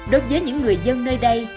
đối với những người dân nơi đây